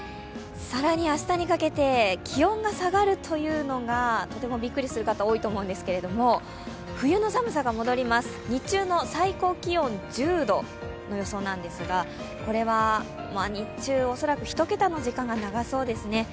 更に明日にかけて、気温が下がるというのがとてもびっくりする方多いと思うんですけれども冬の寒さが戻ります、日中の最高気温１０度の予想なんですが、これは日中、恐らく１桁の時間が長そうですね。